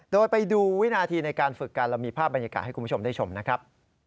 โดยไปดูวินาทีในการฝึกกันเรามีภาพบรรยากาศให้คุณผู้ชมได้ชมนะครับ